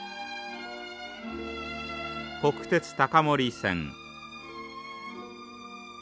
国鉄高森線。